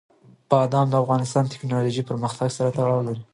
بادام د افغانستان د تکنالوژۍ پرمختګ سره تړاو لري.